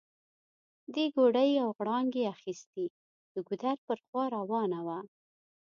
دې ګوډی او غړانګۍ اخيستي، د ګودر پر خوا روانه وه